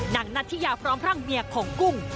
นางนัฐิยาพร้อมร่างเมียของกุ้ง